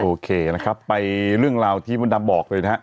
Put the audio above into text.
โอเคไหมครับไปเรื่องที่มุดดำบอกเลยนะครับ